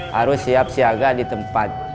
harus siap siaga di tempat